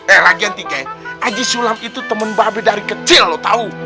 eh lagian tika haji sulam itu temen babe dari kecil lu tau